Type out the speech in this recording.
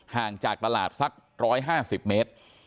ห่างจากตลาดสัก๑๕๐เมตร